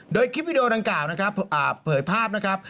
โดยคลิปวิดีโอนางการนะครับเปิดภาพนะครับ